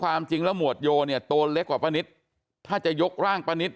ความจริงแล้วหมวดโยเนี่ยตัวเล็กกว่าป้านิตถ้าจะยกร่างป้านิต